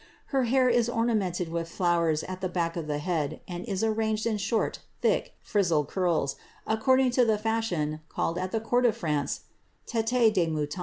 Her hair is ornamented with flowers at the back of the head, and is arranged in short, thick, frizzled curls, accord mg to the fashion, called at the court of France, tete de mouton.